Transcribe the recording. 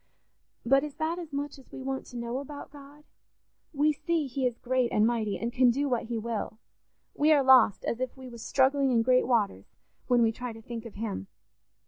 But is that as much as we want to know about God? We see he is great and mighty, and can do what he will: we are lost, as if we was struggling in great waters, when we try to think of him.